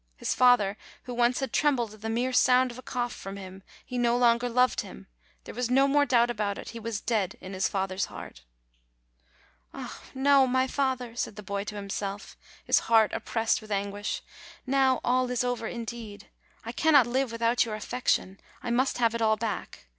His father, who once had trembled at the mere sound of a cough from him! He no longer loved him; there was no more doubt about it; he was dead in his father's heart. "Ah, no! my father," said the boy to himself, his heart oppressed with anguish, "now all is over indeed ; I cannot live without your affection ; I must have it all back.